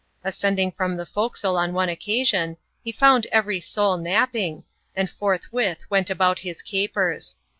Ascending from the forecastle €m one occasion, he found every soul napping, and forthwith went about his capers.